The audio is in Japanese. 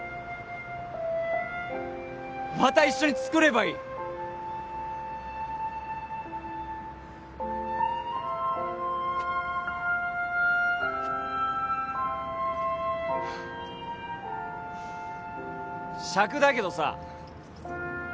また一緒に作ればいいしゃくだけどさ